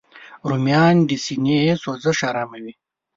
رومیان د سینې سوزش آراموي